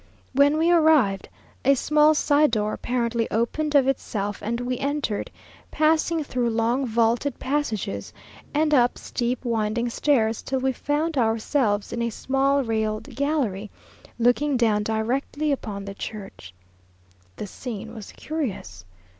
When we arrived, a small side door apparently opened of itself, and we entered, passing through long vaulted passages, and up steep winding stairs, till we found ourselves in a small railed gallery, looking down directly upon the church. The scene was curious.